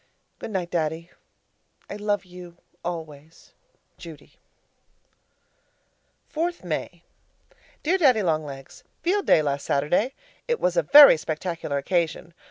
Good night, Daddy, I love you always, Judy 4th May Dear Daddy Long Legs, Field Day last Saturday. It was a very spectacular occasion.